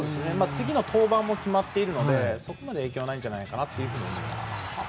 次の登板も決まっているのでそこまで影響はないんじゃないかと思います。